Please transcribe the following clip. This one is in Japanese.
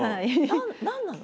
何なの？